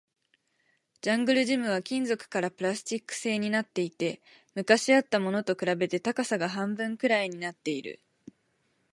ジャングルジムは金属からプラスチック製になっていて、昔あったものと比べて高さが半分くらいになっている